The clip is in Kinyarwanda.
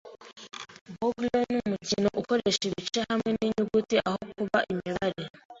Boggle ni umukino ukoresha ibice hamwe ninyuguti aho kuba imibare.